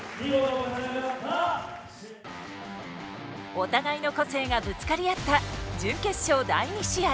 お互いの個性がぶつかり合った準決勝第２試合。